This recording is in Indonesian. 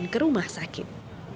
korban ke rumah sakit